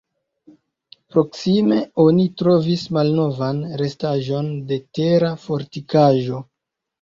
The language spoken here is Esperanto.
Proksime oni trovis malnovan restaĵon de tera fortikaĵo.